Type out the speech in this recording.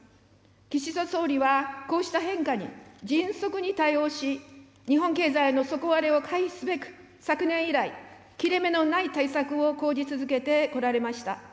岸田総理はこうした変化に迅速に対応し、日本経済の底割れを回避すべく、昨年以来、切れ目のない対策を講じ続けてこられました。